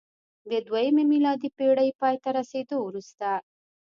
د دویمې میلادي پېړۍ پای ته رسېدو وروسته